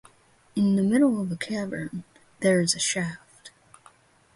In the middle of the cavern there is a shaft.